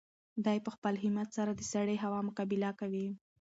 دی په خپل همت سره د سړې هوا مقابله کوي.